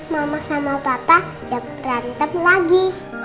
mama sama papa jangan berantem lagi